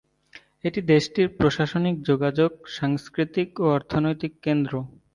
এটি দেশটির প্রশাসনিক, যোগাযোগ, সাংস্কৃতিক ও অর্থনৈতিক কেন্দ্র।